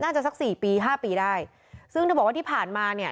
สักสี่ปีห้าปีได้ซึ่งเธอบอกว่าที่ผ่านมาเนี่ย